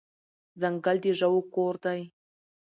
ځنګل د ژوو کور دی.